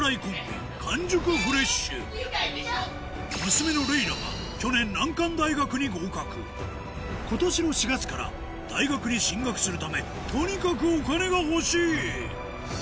娘のレイラは去年難関大学に合格今年の４月から大学に進学するためとにかくお金が欲しい！